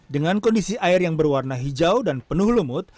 dengan kondisi air yang berwarna hijau dan penuh lumut